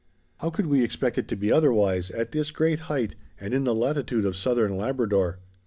How could we expect it to be otherwise at this great height and in the latitude of Southern Labrador?